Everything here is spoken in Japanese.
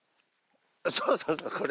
そうそうそうこれ。